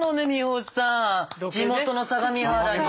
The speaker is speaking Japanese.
地元の相模原に。